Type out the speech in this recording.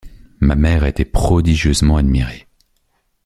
Ma mère a été prodigieusement admirée.